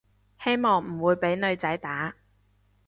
希望唔會畀女仔打